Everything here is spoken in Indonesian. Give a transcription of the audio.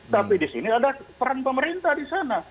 tapi di sini ada peran pemerintah di sana